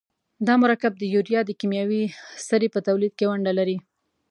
دا مرکب د یوریا د کیمیاوي سرې په تولید کې ونډه لري.